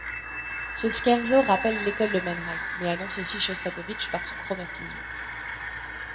Ce scherzo rappelle l’école de Mannheim, mais annonce aussi Chostakovitch par son chromatisme.